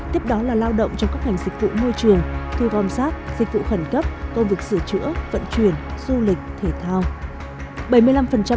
tiếp đó là lao động trong các ngành dịch vụ môi trường thu gom sát dịch vụ khẩn cấp công việc sửa chữa vận chuyển du lịch thể thao